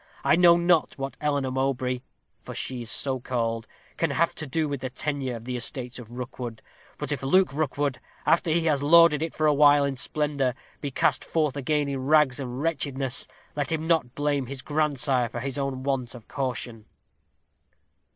I know not what Eleanor Mowbray, for so she is called, can have to do with the tenure of the estates of Rookwood. But if Luke Rookwood, after he has lorded it for awhile in splendor, be cast forth again in rags and wretchedness, let him not blame his grandsire for his own want of caution."